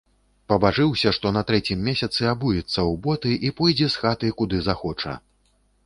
Пабажыўся, што на трэцім месяцы абуецца ў боты і пойдзе з хаты, куды захоча.